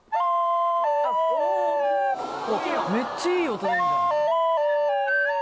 めっちゃいい音鳴るじゃん。